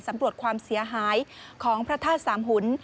สำรวจความเสียหายของพระธาตุสามหุ่น